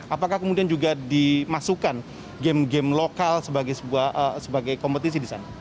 apakah kemudian juga dimasukkan game game lokal sebagai kompetisi di sana